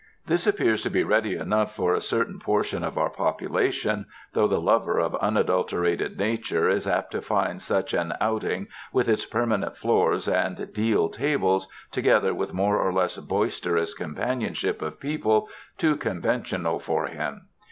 This appears to be Arcady enough for a cer tain portion of our population, though the lover of unadulterated nature is apt to find such an out ing with its permanent floors and deal tables, to gether with more or less boisterous companionship of people, too conventional for him.